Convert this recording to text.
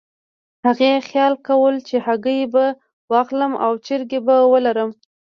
هغې خیال کولو چې هګۍ به واخلم او چرګې به ولرم.